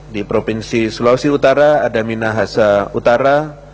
di provinsi sulawesi utara ada minahasa utara